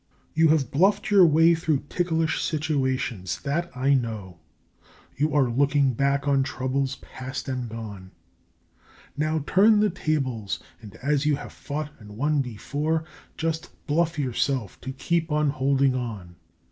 You have bluffed your way through ticklish situations; that I know. You are looking back on troubles past and gone; Now, turn the tables, and as you have fought and won before, Just BLUFF YOURSELF to keep on holding on!